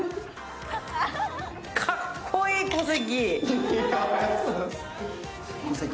かっこいい、小関。